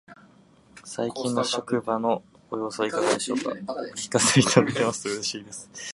最近の職場のご様子はいかがでしょうか。お聞かせいただけますと嬉しいです。